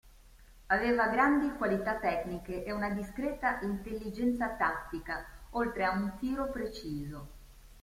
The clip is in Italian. Aveva grandi qualità tecniche e una discreta intelligenza tattica, oltre a un tiro preciso.